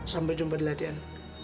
sampai jumpa di latihan